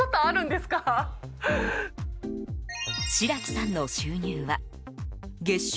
白木さんの収入は月収